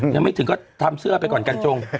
ยังไม่ถึงก็ทำเสื้อไปก่อนกันจง